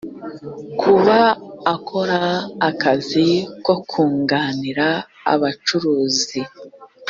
kuba akora akazi ko kunganira abacuruzi